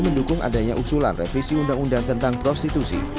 mendukung adanya usulan revisi undang undang tentang prostitusi